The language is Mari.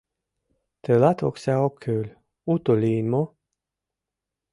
— Тылат окса ок кӱл, уто лийын мо?